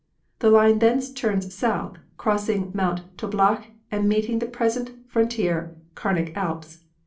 The line thence turns south, crossing Mount Toblach and meeting the present frontier Carnic Alps.